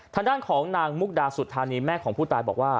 ทางด้านของนางมุกดาสุธานีแม่ของผู้ตายบอกว่า